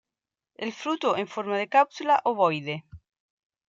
El fruto en forma de cápsula ovoide.